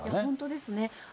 本当ですね。